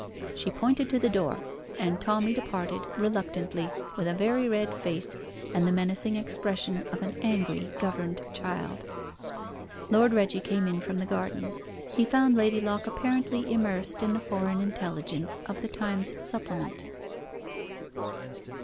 She pointed to the door, and Tommy departed reluctantly, with a very red face, and the menacing expression of an angry, governed child. Lord Reggie came in from the garden. He found Lady Locke apparently immersed in the foreign intelligence of the Times Supplement.